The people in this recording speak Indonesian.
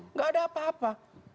nggak ada apa apa